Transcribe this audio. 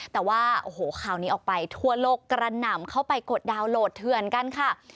แต่ว่าโอ้โหข่าวนี้ออกไปทั่วโลกกระหน่ำเข้าไปกดดาวนโหลดเถื่อนกันค่ะ